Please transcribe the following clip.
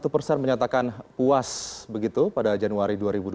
satu persen menyatakan puas begitu pada januari dua ribu dua puluh